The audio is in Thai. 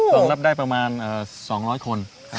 สำนับได้ประมาณ๒๐๐คนครับ